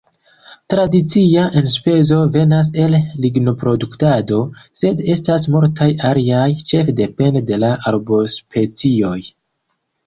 Tradicia enspezo venas el lignoproduktado, sed estas multaj aliaj, ĉefe depende de la arbospecioj.